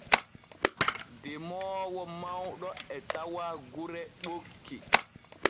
Demoowo mawɗo e tawa gure ɓokki.